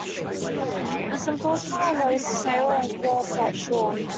It was impossible to hoist sail and claw off that shore.